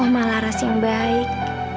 oma laras yang baik